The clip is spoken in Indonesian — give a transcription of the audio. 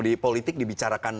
di politik dibicarakan